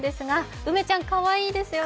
梅ちゃん、かわいいですよね。